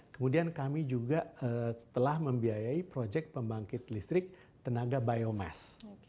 kemudian kami juga telah membiayai proyek pembangkit listrik tenaga biomass